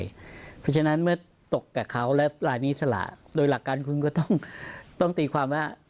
เพราะฉะนั้นเมื่อตกกับเขาและรายนี้สละโดยหลักการคุณก็ต้องตีความว่า